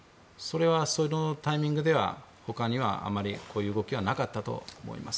そのタイミングでは他にはあまりこういう動きはなかったと思います。